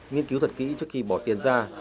nghiên cứu thật kỹ trước khi bỏ tiền ra